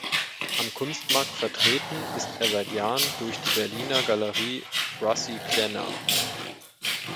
Am Kunstmarkt vertreten ist er seit Jahren durch die Berliner Galerie Russi Klenner.